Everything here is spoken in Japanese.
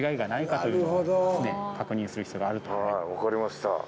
分かりました。